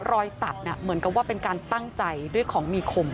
รอยตัดเหมือนกับว่าเป็นการตั้งใจด้วยของมีคม